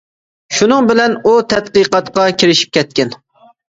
شۇنىڭ بىلەن ئۇ تەتقىقاتقا كىرىشىپ كەتكەن.